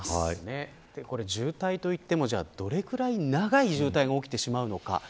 渋滞といっても、どれぐらい長い渋滞が起きるのか。